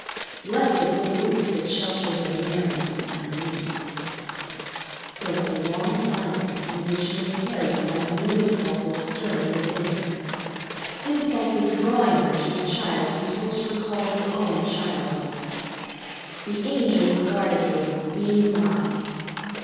"Blessed the roof that shelters a Mary in her need." There was a long silence, in which Miss Terry felt new impulses stirring within her; impulses drawing her to the child whose looks recalled her own childhood. The Angel regarded her with beaming eyes.